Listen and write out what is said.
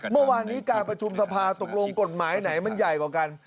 เมื่อวานนี้การประชุมสภาตกลงกฎหมายไหนมันใหญ่กว่ากัน